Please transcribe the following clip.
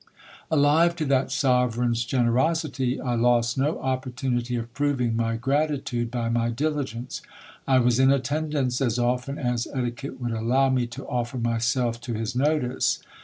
Alive to that sovereign's generosity, I lost no opportunity of proving my grati tude by my diligence. I was in attendance as often as etiquette would allow me to offer myself to his notice.